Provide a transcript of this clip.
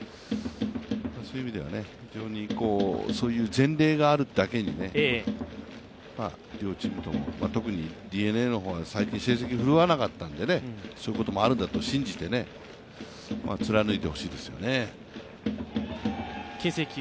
そういう意味では、前例があるだけに両チームとも、特にＤｅＮＡの方は最近成績が振るわなかったのでそういうこともあるんだと信じて貫いてほしいですよね。